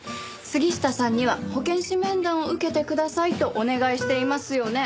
杉下さんには保健師面談を受けてくださいとお願いしていますよね。